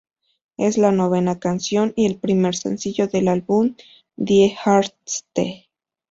Es la novena canción y el primer sencillo del álbum Die Ärzte.